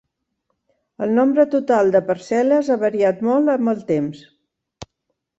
El nombre total de parcel·les ha variat molt amb el temps.